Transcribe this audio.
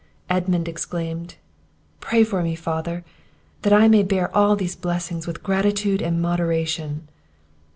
Edmund exclaimed, "Pray for me, father! that I may bear all these blessings with gratitude and moderation!"